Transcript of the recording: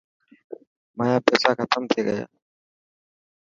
مايا پيسا ختم ٿي گيا.